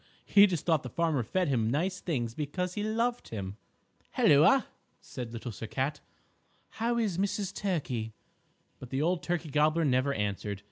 He just thought the farmer fed him nice things because he loved him. "Helloa!" said Little Sir Cat, "how is Mrs. Turkey?" But the old Turkey Gobbler never answered.